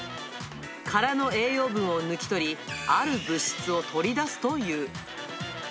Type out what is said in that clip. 殻の栄養分を抜き取り、ある物質を取り出すという。